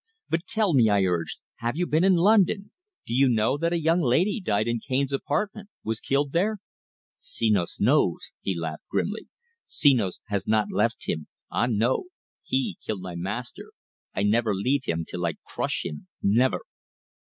"But, tell me," I urged, "have you been in London? Do you know that a young lady died in Cane's apartment was killed there?" "Senos knows," he laughed grimly. "Senos has not left him ah, no! He kill my master. I never leave him till I crush him never!"